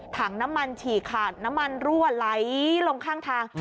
ถังน้ำมันฉี่ขาดน้ำมันรั่วไหลลงข้างทาง